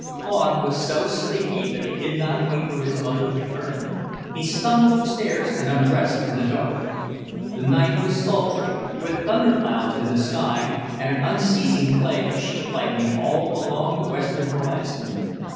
Claude was so sleepy that he did not wait for his mother's return. He stumbled upstairs and undressed in the dark. The night was sultry, with thunder clouds in the sky and an unceasing play of sheet lightning all along the western horizon.